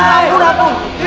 ampun ampun ampun